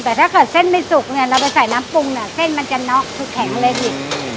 แต่ถ้าเกิดเส้นไม่สุกเนี่ยเราไปใส่น้ำปรุงเนี่ยเส้นมันจะน็อกคือแข็งเลยพี่